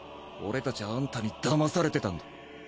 俺たちゃアンタにだまされてたんだ。